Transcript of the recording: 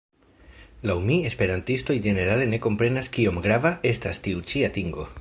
Laŭ mi esperantistoj ĝenerale ne komprenas kiom grava estas tiu ĉi atingo.